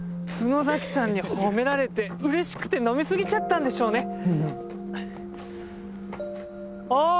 角崎さんに褒められて嬉しくて飲みすぎちゃったんでしょうね。